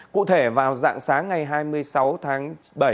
cụ thể vào dạng sáng ngày hai mươi sáu tháng bảy